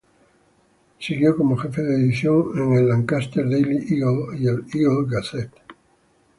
Siguió como jefe de edición en el "Lancaster Daily Eagle" y el "Eagle Gazette".